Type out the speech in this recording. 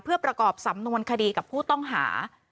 เพื่อประกอบสำนวนคดีกับผู้ต้องหา